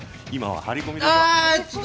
今は張り込み中。